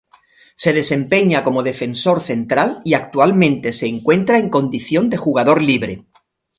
Se desempeña como defensor central y actualmente se encuentra en condición de jugador libre.